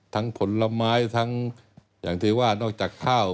ผลไม้ทั้งอย่างที่ว่านอกจากข้าว